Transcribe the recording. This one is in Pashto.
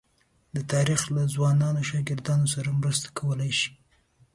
د تاریخ له ځوانو شاګردانو سره مرسته کولای شي.